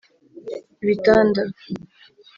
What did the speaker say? ibitanda